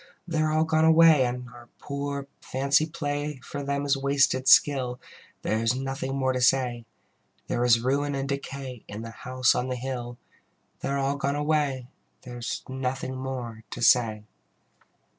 They are all gone away, And our poor fancy play For them is wasted skill: There is nothing more to say. There is ruin and decay In the House on the Hill: They are all gone away, There is nothing more to say.